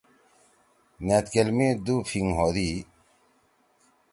نیتکیل می دُو پھیِنگ ہودی۔